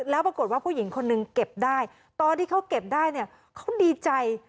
แล้วปรากฏว่าผู้หญิงคนนึงเก็บได้ตอนที่เขาเก็บได้เนี่ยเขาดีใจ